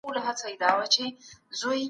حبيب الله امير مسکين عبدالله نورزى